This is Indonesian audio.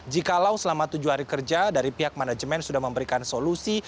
jikalau selama tujuh hari kerja dari pihak manajemen sudah memberikan solusi